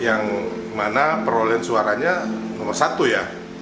yang mana perolehan suaranya nomor satu ya